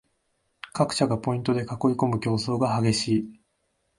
各社がポイントで囲いこむ競争が激しい